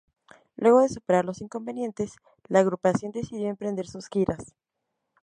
Luego de superar los inconvenientes, la agrupación decidió emprender sus giras.